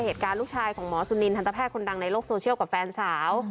ลูกชายของหมอสุนินทันตแพทย์คนดังในโลกโซเชียลกับแฟนสาว